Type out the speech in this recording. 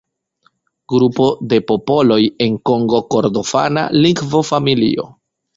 Grupo de popoloj en Kongo-Kordofana lingvofamilio.